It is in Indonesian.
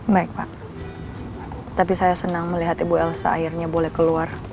baik pak tapi saya senang melihat ibu elsa akhirnya boleh keluar